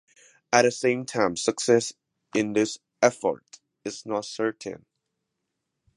At the same time success in this effort is not certain.